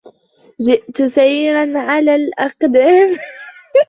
جئت سيراً على الأقدام.